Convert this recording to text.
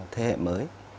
thế hệ mới